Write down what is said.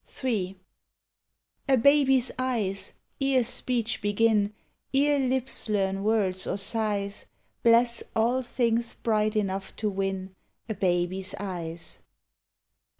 ABOUT C HI LORES . in. A baby's eyes, ere speeeli begin, Ere lips learn words or sighs, Bless all things bright enough to win A baby's eyes.